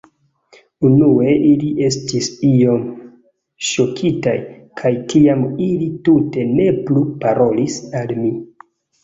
Unue ili estis iom ŝokitaj kaj tiam ili tute ne plu parolis al mi.